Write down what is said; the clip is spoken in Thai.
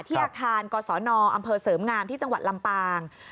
อาคารกศนอำเภอเสริมงามที่จังหวัดลำปาง